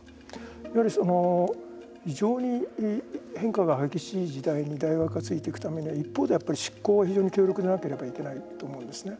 やはり非常に変化が激しい時代に大学がついていくためには一方で、執行が非常に強力でないといけないと思います。